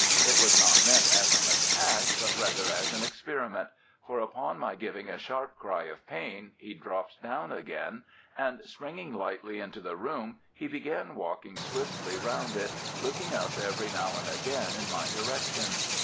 It was not meant as an attack, but rather as an experiment, for upon my giving a sharp cry of pain he dropped down again, and springing lightly into the room, he began walking swiftly round it, looking up every now and again in my direction.